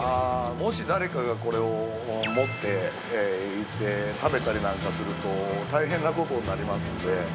◆もし誰かがこれを持っていって食べたりなんかすると大変なことになりますので。